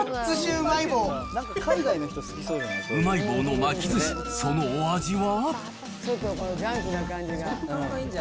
うまい棒の巻きずし、そのお味は？